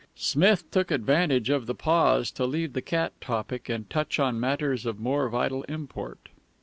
Smith took advantage of the pause to leave the cat topic and touch on matters of more vital import.